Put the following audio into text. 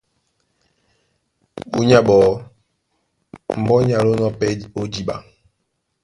Búnyá ɓɔɔ́ mbɔ́ ní alónɔ̄ pɛ́ ó jǐɓa,